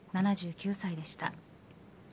７９歳でした。